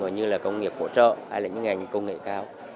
như là công nghiệp hỗ trợ hay là những ngành công nghệ cao